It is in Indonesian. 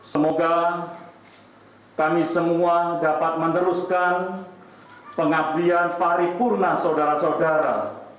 semoga kami semua dapat meneruskan pengabdian paripurna saudara saudara